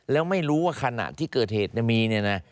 แล้วไม่รู้ว่าขณะที่เกิดเหตุจะมี